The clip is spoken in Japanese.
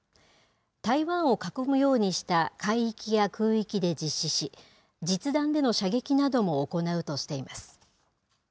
台湾を囲むようにした海域や空域で実施し、実弾での射撃なども行うとしています。